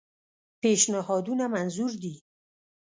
پېشنهادونه منظور دي.